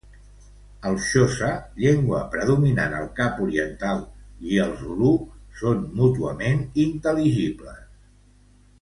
El xosa, llengua predominant al Cap Oriental, i el zulu són mútuament intel·ligibles.